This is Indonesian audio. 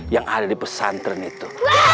yang ada di pesantren itu